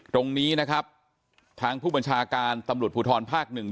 ตรงนี้นะครับทางผู้บัญชาการตำรวจภูทรภาคหนึ่ง